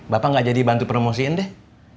bapak gak jadi bantu promosiin deh